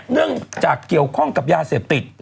เนื่องจากเกี่ยวข้องกับยาเสพติด